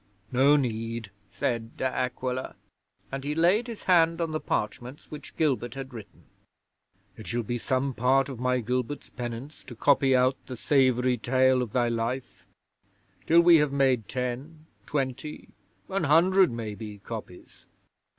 '"No need," said De Aquila, and he laid his hand on the parchments which Gilbert had written. "It shall be some part of my Gilbert's penance to copy out the savoury tale of thy life, till we have made ten, twenty, an hundred, maybe, copies.